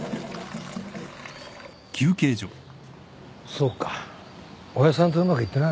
そうか親父さんとうまくいってないのか。